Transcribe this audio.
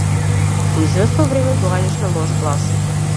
По извесно време доаѓаш на лош глас.